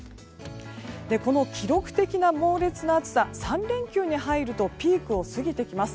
この記録的な猛烈な暑さ３連休に入るとピークを過ぎてきます。